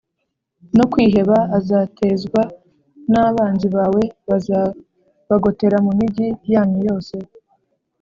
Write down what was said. no kwiheba azatezwa n’abanzi bawe bazabagotera mu migi yanyu yose